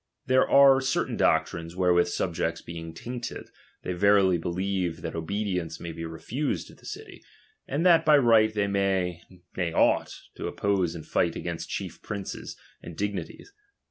There are certain doctrines wherewith subjects being tainted, they verily believe that obedience may be refused to the uty, and that by right they may, nay ought, to oppose and fight against chief princes and dignities.